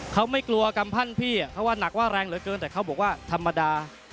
เขาไม่กลัวกำพั่นพี่เขาว่านักว่าแรงเหลือเกินแต่เขาบอกว่าธรรมดา